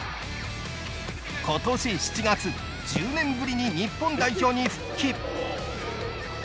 今年７月１０年ぶりに日本代表に復帰。